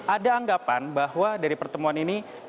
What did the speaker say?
ada anggapan bahwa dari pertemuan ini